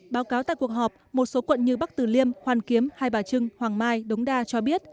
báo cáo tại cuộc họp một số quận như bắc tử liêm hoàn kiếm hai bà trưng hoàng mai đống đa cho biết